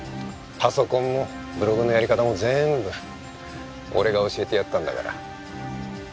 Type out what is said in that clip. パソコンもブログのやり方も全部俺が教えてやったんだから。